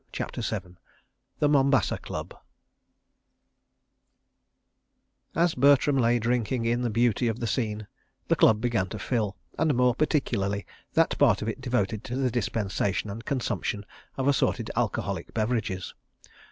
CHAPTER VII The Mombasa Club As Bertram lay drinking in the beauty of the scene, the Club began to fill, and more particularly that part of it devoted to the dispensation and consumption of assorted alcoholic beverages.